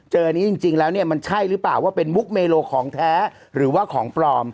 เจอนี้จริงแล้วเนี่ยมันใช่หรือเปล่าว่าเป็นมุกเมโลของแท้หรือว่าของปลอม